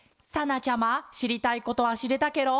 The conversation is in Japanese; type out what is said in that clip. なちゃましりたいことはしれたケロ？